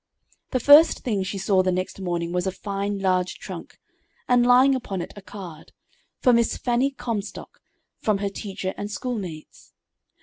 The first thing she saw the next morning was a fine large trunk, and lying upon it a card: "For Miss Fannie Comstock, from her teacher and schoolmates."